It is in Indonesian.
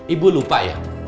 ibu lupa ya